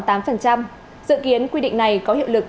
dự kiến quy định này có hiệu lực